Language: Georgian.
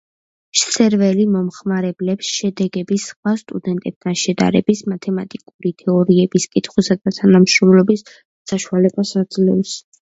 სერვერი მომხმარებლებს შედეგების სხვა სტუდენტებთან შედარების, მათემატიკური თეორიების კითხვისა და თანამშრომლობის საშუალებას აძლევს.